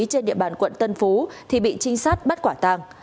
trên địa bàn quận tân phú thì bị trinh sát bắt quả tàng